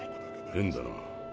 変だな。